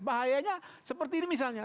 bahayanya seperti ini misalnya